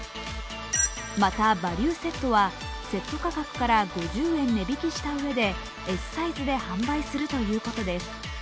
またバリューセットはセット価格から５０円値引きしたうえでＳサイズで販売するということです